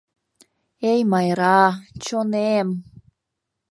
Эй, Майра... чонем!..